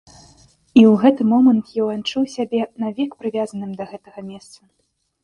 І ў гэты момант ён адчуў сябе навек прывязаным да гэтага месца.